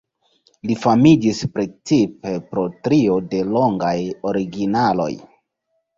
Li famiĝis precipe pro trio de longaj originaloj.